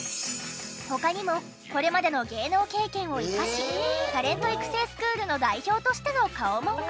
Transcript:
他にもこれまでの芸能経験を生かしタレント育成スクールの代表としての顔も。